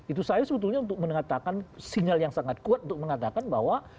itu saya sebetulnya untuk mengatakan sinyal yang sangat kuat untuk mengatakan bahwa